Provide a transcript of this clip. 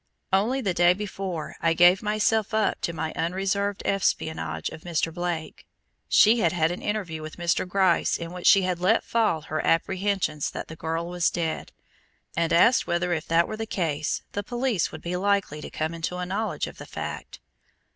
Only the day before I gave myself up to my unreserved espionage of Mr. Blake, she had had an interview with Mr. Gryce in which she had let fall her apprehensions that the girl was dead, and asked whether if that were the case, the police would be likely to come into a knowledge of the fact.